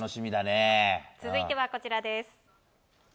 続いて、こちらです。